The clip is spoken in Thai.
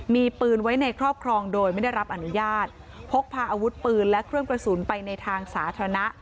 มีปืนไว้ในครอบครองโดยไม่ได้รับอนุญาตพกพาอาวุธปืนและเครื่องกระสุนไปในทางสาธารณะ